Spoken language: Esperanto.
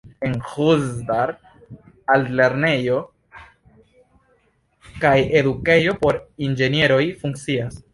En Ĥuzdar altlernejo kaj edukejo por inĝenieroj funkcias.